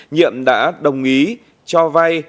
nhiệm đã đồng ý cho vay